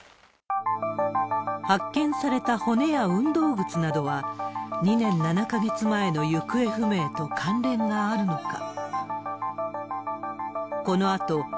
発見された骨や運動靴などは、２年７か月前の行方不明と関連があるのか。